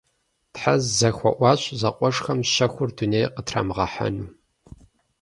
Тхьэ зэхуаӀуащ зэкъуэшхэм щэхур дунейм къытрамыгъэхьэну.